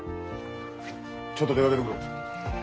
ちょっと出かけてくる。